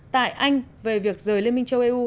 tại anh về việc rời liên minh châu âu